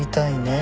え